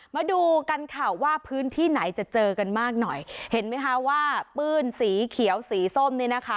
มาดูกันค่ะว่าพื้นที่ไหนจะเจอกันมากหน่อยเห็นไหมคะว่าปื้นสีเขียวสีส้มเนี่ยนะคะ